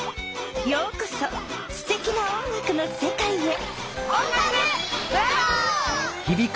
ようこそすてきな音楽のせかいへ！